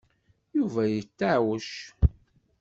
Yuba yeṭṭeɛwec.